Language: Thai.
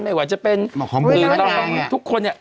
ไม่ว่าจะเป็นทุกคน